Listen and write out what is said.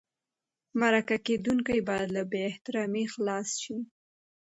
مرکه کېدونکی باید له بې احترامۍ خلاص شي.